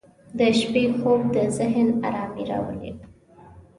• د شپې خوب د ذهن آرامي راولي.